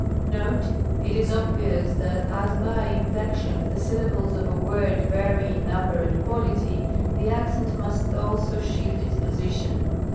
Note. — It is obvious that, as by inflection the syllables of a word vary in number and quality, the accent must also shift its position.